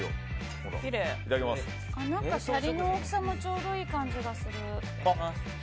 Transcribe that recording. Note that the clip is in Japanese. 何かシャリの大きさもちょうどいい感じがする。